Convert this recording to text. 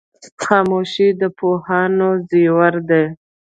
خاموشي د پوهانو زیور دی.